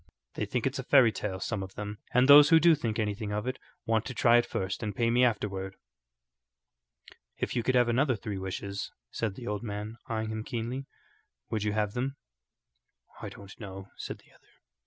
They think it's a fairy tale; some of them, and those who do think anything of it want to try it first and pay me afterward." "If you could have another three wishes," said the old man, eyeing him keenly, "would you have them?" "I don't know," said the other.